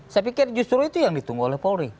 saya pikir justru itu yang ditunggu oleh polri